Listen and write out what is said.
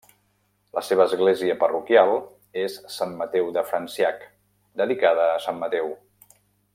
La seva església parroquial és Sant Mateu de Franciac, dedicada a Sant Mateu.